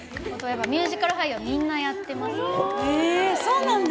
ミュージカル俳優はみんなやってますね。